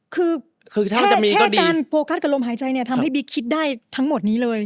คือถ้ามีการโฟกัสกับลมหายใจเนี่ยทำให้บิ๊กคิดได้ทั้งหมดนี้เลย